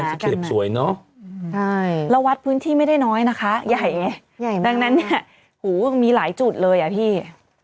น้อยนะคะใหญ่ดังนั้นเนี่ยหูมีหลายจุดเลยอ่ะพี่